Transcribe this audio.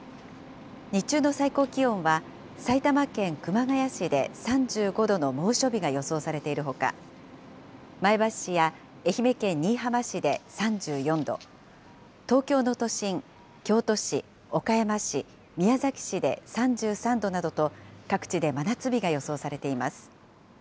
日中の最高気温は、埼玉県熊谷市で３５度の猛暑日が予想されているほか、前橋市や愛媛県新居浜市で３４度、東京の都心、京都市、岡山市、宮崎市で３３度などと、各地で真夏日が予想されています。